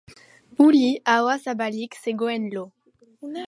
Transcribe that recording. Ulli ahoa zabalik zegoen lo.